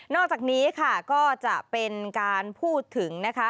นอกจากนี้ก็จะเป็นการพูดถึง